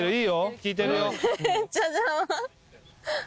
効いてるよ。